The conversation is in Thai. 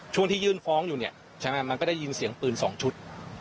ที่ยื่นฟ้องอยู่เนี่ยใช่ไหมมันก็ได้ยินเสียงปืน๒ชุด